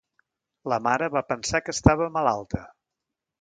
La mare va pensar que estava malalta.